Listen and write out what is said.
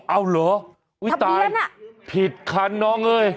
เอ้าเหรอทะเบียนน่ะทะเบียนผิดคันน้องเอ้ย